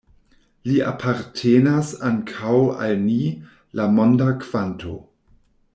Li apartenas ankaŭ al ni, la monda kvanto.